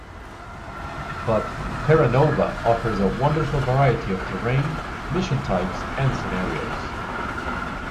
But "Terra Nova" offers a wonderful variety of terrain, mission types, and scenarios".